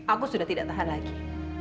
aku sudah tidak tahan lagi